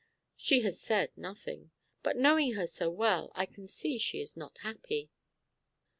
"She has said nothing, but knowing her so well, I can see she is not happy.